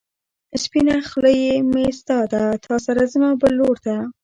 سپينه خلۀ مې ستا ده، تا سره ځمه بل لور ته